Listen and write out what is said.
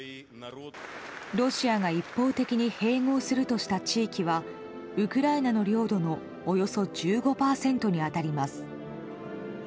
ロシアが一方的に併合するとした地域はウクライナの領土のおよそ１５％に当たります。